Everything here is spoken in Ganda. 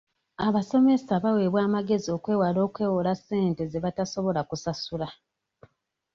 Abasomesa baweebwa amagezi okwewala okwewola ssente ze batasobola kusasula.